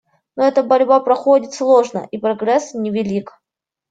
Но эта борьба проходит сложно, и прогресс невелик.